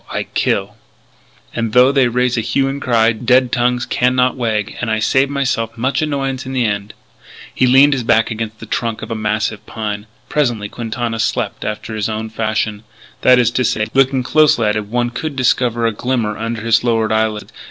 I kill. "And though they raise a hue and cry, dead tongues can not wag and I save myse'f much annoyance in the end." He leaned his back against the trunk of a massive pine. Presently Quintana slept after his own fashion that is to say, looking closely at him one could discover a glimmer under his lowered eyelids.